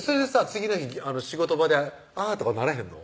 次の日仕事場で「あぁ」とかならへんの？